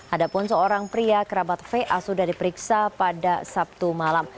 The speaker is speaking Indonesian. ada pun seorang pria kerabat va sudah diperiksa pada sabtu malam